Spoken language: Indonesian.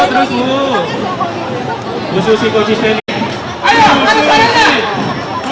kenceng banget melaju dia nih